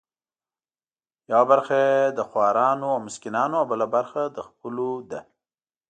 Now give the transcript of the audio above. یوه برخه یې د خورانو او مسکینانو او بله برخه د خپلو وه.